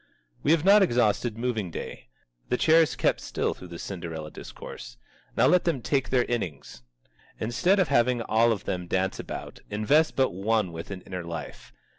We have not exhausted Moving Day. The chairs kept still through the Cinderella discourse. Now let them take their innings. Instead of having all of them dance about, invest but one with an inner life.